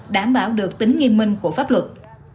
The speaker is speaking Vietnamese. đảm bảo được tính nghiêm minh của pháp luật